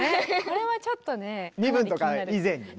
身分とか以前にね。